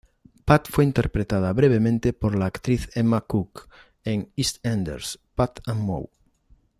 Pat fue interpretada brevemente por la actriz Emma Cooke en "EastEnders: Pat and Mo".